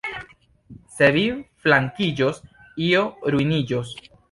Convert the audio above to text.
Se vi flankiĝos, io ruiniĝos!